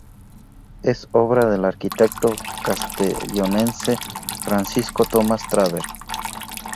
Es obra del arquitecto castellonense Francisco Tomás Traver.